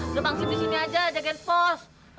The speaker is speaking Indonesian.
udah pangsip disini aja jagain pos